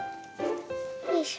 よいしょ。